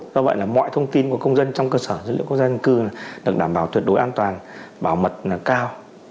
do vậy là mọi thông tin của công dân trong cơ sở dữ liệu quốc gia dân cư được đảm bảo tuyệt đối an toàn bảo mật cao